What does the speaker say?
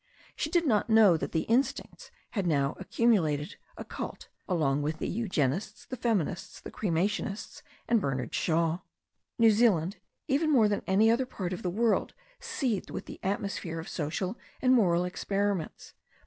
She did not know that the instincts had now accumulated a cult, alon^f THE STORY OF A NEW ZEALAND MVER 69 with the eugenists, the feminists, the cremationists, and Ber nard Shaw. New Zealand, even more than any other part of the world, seethed with the atmosphere of social and moral ex periments.